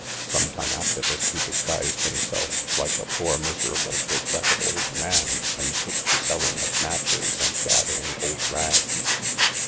Some time after this, he disguised himself like a poor miserable decrepid old man, and took to selling of matches and gathering old rags.